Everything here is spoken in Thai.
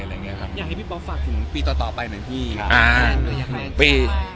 อยากให้ปีต่อต่อไปหน่อยที่